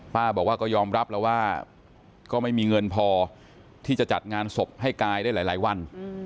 บอกว่าก็ยอมรับแล้วว่าก็ไม่มีเงินพอที่จะจัดงานศพให้กายได้หลายวัน